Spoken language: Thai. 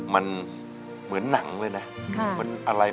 มันเหมือนหนังเลยนะมันอะไร